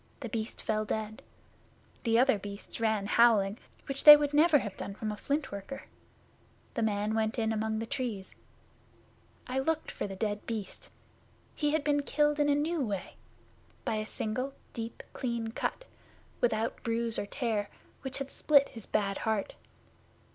The Beast fell dead. The other Beasts ran away howling, which they would never have done from a Flint worker. The man went in among the Trees. I looked for the dead Beast. He had been killed in a new way by a single deep, clean cut, without bruise or tear, which had split his bad heart.